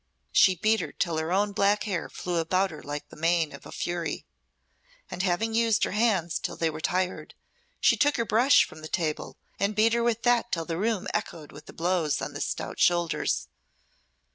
She beat her till her own black hair flew about her like the mane of a fury; and having used her hands till they were tired, she took her brush from the table and beat her with that till the room echoed with the blows on the stout shoulders.